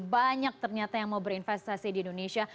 banyak ternyata yang mau berinvestasi di indonesia